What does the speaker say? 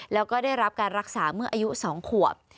แล้วก็ได้รับการรักษาเมื่ออายุ๒ขวบ